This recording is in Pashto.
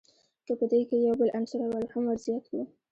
که په دې کښي یو بل عنصر هم ور زیات کو.